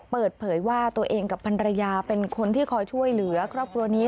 เปิดเผยว่าตัวเองกับพันรยาเป็นคนที่คอยช่วยเหลือครอบครัวนี้